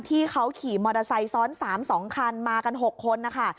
ที่เขาขี่มอเตอร์ไซค์ซ้อน๓๒คันมากัน๖คนนะคะ